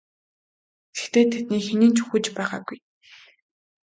Гэхдээ тэдний хэн нь ч үхэж байгаагүй.